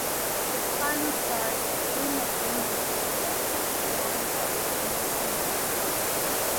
His final start came at Greenwood Raceway, Toronto in December.